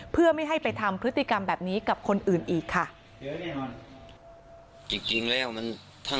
เพื่อไม่ให้ไปทำพฤติกรรมแบบนี้กับคนอื่นอีกค่ะ